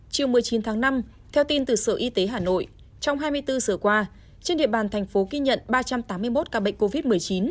chiều một mươi chín tháng năm theo tin từ sở y tế hà nội trong hai mươi bốn giờ qua trên địa bàn thành phố ghi nhận ba trăm tám mươi một ca bệnh covid một mươi chín